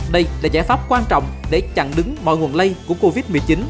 đây là giải pháp quan trọng để chặn đứng mọi nguồn lây của covid một mươi chín